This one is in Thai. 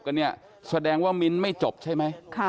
กันเนี่ยแสดงว่ามิ้นท์ไม่จบใช่ไหม